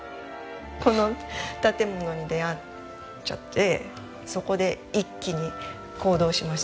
この建物に出会っちゃってそこで一気に行動しましたね。